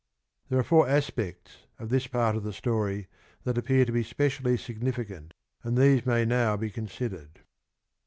There are four aspects of this part of the story that appear to be specially significant, and these may now be considered.